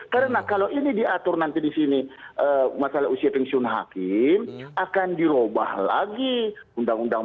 karena kalau ini diatur nanti di sini masalah usia pensiun hakim akan diubah lagi undang undang